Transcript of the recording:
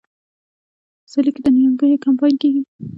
په پسرلي کې د نیالګیو کمپاین کیږي.